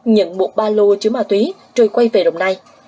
nhận một ba lô chứa ma túy rồi quay về đồng nai